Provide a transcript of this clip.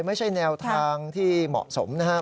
ไม่ใช่แนวทางที่เหมาะสมนะครับ